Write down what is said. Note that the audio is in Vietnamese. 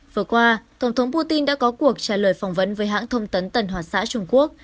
vừa qua tổng thống putin đã có cuộc trả lời phỏng vấn với hãng thông tấn tân hoa xã trung quốc